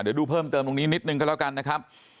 เดี๋ยวดูเพิ่มเติมตรงนี้นิดนึงก็แล้วกันนะครับ